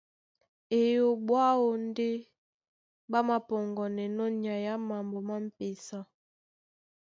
Eyoɓo aó ndé ɓá māpɔŋgɔnɛnɔ́ nyai á mambo má m̀pesa.